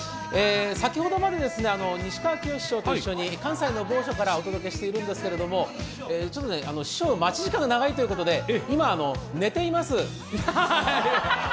先ほどから西川きよし師匠とともに関西の某所からお届けしているんですけれども、師匠、待ち時間が長いということで今、寝ています。